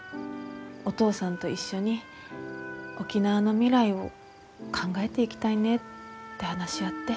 お父さんと一緒に沖縄の未来を考えていきたいねって話し合って。